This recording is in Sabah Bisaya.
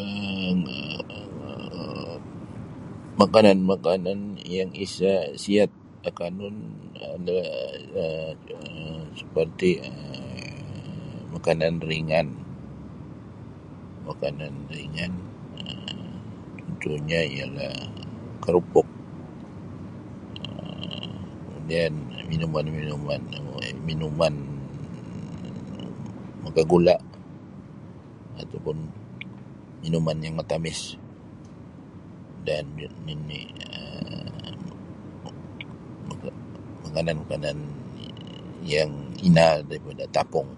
um Makanan-makanan yang isa sihat akanun da um seperti' makanan ringan makanan ringan um cuntuhnyo ialah kerupuk um kemudian minuman-minuman minuman makagula' atau pun minuman yang matamis dan um makanan-makanan yang inaal daripada tapung.